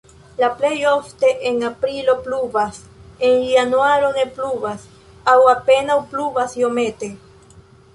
La plej ofte en aprilo pluvas, en januaro ne pluvas aŭ apenaŭ pluvas iomete.